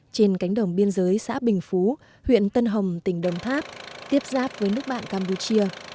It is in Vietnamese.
trên cánh đồng biên giới xã bình phú huyện tân hồng tỉnh đồng tháp tiếp giáp với nước bạn campuchia